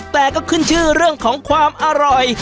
แต่ก็ขึ้นชื่อเรื่องของความอร่อย